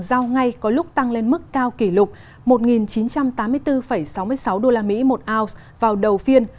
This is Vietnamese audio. giao ngay có lúc tăng lên mức cao kỷ lục một chín trăm tám mươi bốn sáu mươi sáu usd một ounce vào đầu phiên